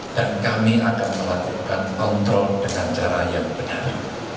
dan kami akan melakukan kontrol dengan cara yang benar